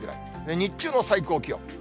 日中の最高気温。